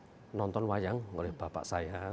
saya nonton wayang oleh bapak saya